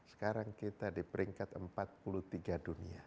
sekarang kita di peringkat empat puluh tiga dunia